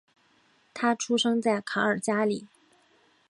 他出生在卡尔加里。